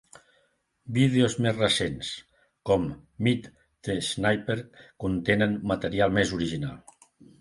Vídeos més recents, com "Meet the Sniper", contenen material més original.